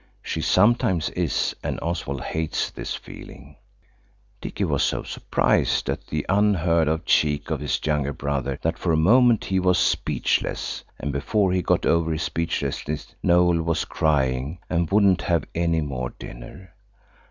She sometimes is–and Oswald hates this feeling. Dicky was so surprised at the unheard of cheek of his young brother that for a moment he was speechless, and before he got over his speechlessness Noël was crying and wouldn't have any more dinner.